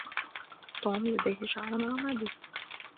توم لديه شعر رمادي.